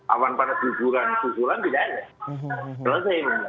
awan panas guguran guguran tidak ada